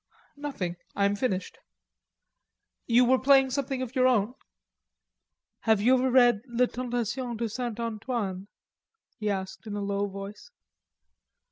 "Nothing. I am finished." "You were playing something of your own?" "Have you ever read La Tentation de Saint Antoine?" he asked in a low voice.